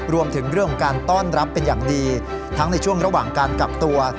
รวมถึงเรื่องของการต้อนรับเป็นอย่างดีทั้งในช่วงระหว่างการกักตัว